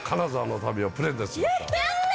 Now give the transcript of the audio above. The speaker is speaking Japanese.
やった！